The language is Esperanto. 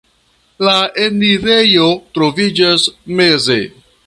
La enirejo troviĝas meze.